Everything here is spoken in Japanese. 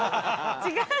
違う？